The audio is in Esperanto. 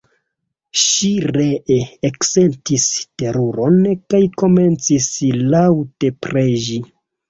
Ŝi ree eksentis teruron kaj komencis laŭte preĝi.